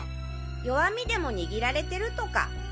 弱みでも握られてるとか？